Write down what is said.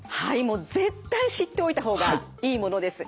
もう絶対知っておいた方がいいものです。